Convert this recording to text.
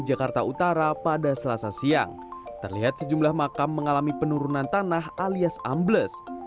jakarta utara pada selasa siang terlihat sejumlah makam mengalami penurunan tanah alias ambles